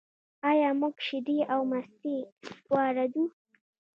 آیا موږ شیدې او مستې واردوو؟